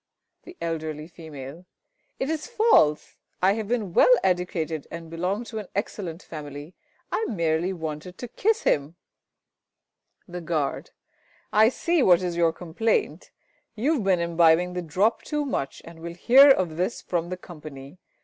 The Eld. F. It is false! I have been well educated, and belong to an excellent family. I merely wanted to kiss him. The Guard. I see what is your complaint. You have been imbibing the drop too much and will hear of this from the Company.